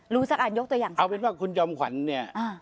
สักอันยกตัวอย่างเอาเป็นว่าคุณจอมขวัญเนี่ยอ่า